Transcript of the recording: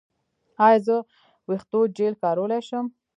ایا زه د ویښتو جیل کارولی شم؟